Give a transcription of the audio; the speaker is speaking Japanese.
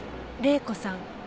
玲子さん？